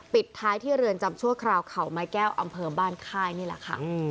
ปิดท้ายที่เรือนจำชั่วคราวเขาไม้แก้วอำเภอบ้านค่ายนี่แหละค่ะ